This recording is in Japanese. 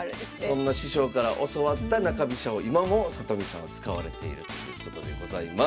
そんな師匠から教わった中飛車を今も里見さんは使われているということでございます。